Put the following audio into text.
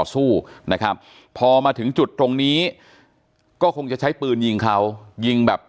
สู้นะครับพอมาถึงจุดตรงนี้ก็คงจะใช้ปืนยิงเขายิงแบบ